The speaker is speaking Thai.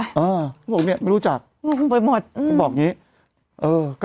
เขาบอกเนี้ยไม่รู้จักงงไปหมดอืมเขาบอกอย่างงี้เออก็